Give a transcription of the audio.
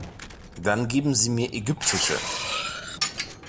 Dann geben Sie mir egyptische.